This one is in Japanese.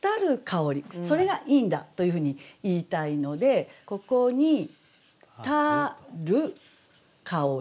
それがいいんだというふうに言いたいのでここに「たる香り」。